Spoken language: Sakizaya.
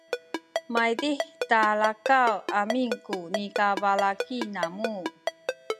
maydih talakaw amin ku nikabalaki namu